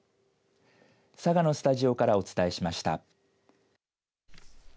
佐賀のスタジオからお伝えしました。